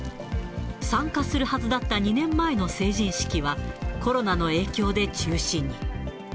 参加するはずだった２年前の成人式は、コロナの影響で中止に。